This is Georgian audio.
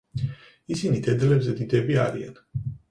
ისინი დედლებზე დიდები არიან.